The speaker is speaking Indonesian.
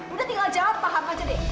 udah tinggal jawab paham aja de